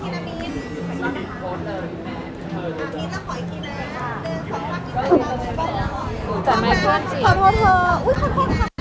อันนี้มันเป็นอันนที่เกี่ยวกับเมืองที่เราอยู่ในประเทศอเมริกา